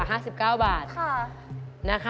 อเรนนี่มันต้องฟังอยู่ค่ะ